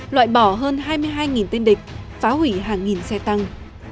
loại bỏ hơn hai mươi hai tên địch phá hủy hàng nghìn xe tăng